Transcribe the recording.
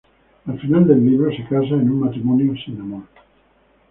Al final del libro se casa en un matrimonio sin amor.